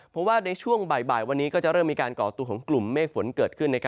เพราะว่าในช่วงบ่ายวันนี้ก็จะเริ่มมีการก่อตัวของกลุ่มเมฆฝนเกิดขึ้น